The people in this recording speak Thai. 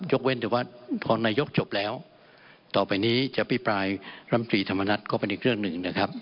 เว้นแต่ว่าพอนายกจบแล้วต่อไปนี้จะพิปรายรำตรีธรรมนัฐก็เป็นอีกเรื่องหนึ่งนะครับ